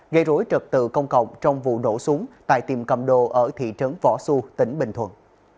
gây rối trật tự công cộng trong vụ nổ súng tại tiềm cầm đồ ở thị trấn võ xu tỉnh bình thuận